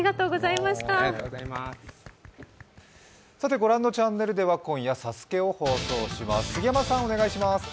ご覧のチャンネルでは今夜「ＳＡＳＵＫＥ」を放送します。